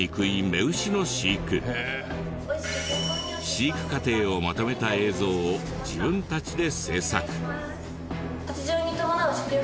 飼育過程をまとめた映像を自分たちで制作。